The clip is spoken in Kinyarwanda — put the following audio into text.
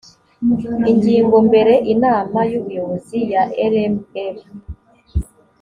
ingingo mbere inama y ubuyobozi ya rmf